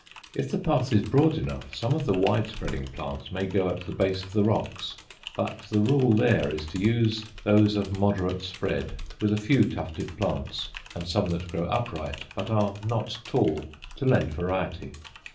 If the path is broad enough some of the wide spreading plants may go at the base of the rocks, but the rule there is to use those of moderate spread, with a few tufted plants and some that grow upright, but are not tall, to lend variety.